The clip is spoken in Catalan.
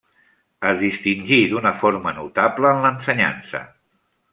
Es distingí d'una forma notable en l'ensenyança.